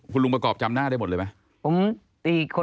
คุณลุงประกอบจำหน้าได้หมดเลยไหม